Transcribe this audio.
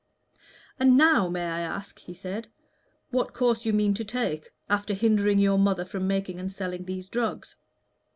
"And now, may I ask," he said, "what course you mean to take, after hindering your mother from making and selling these drugs?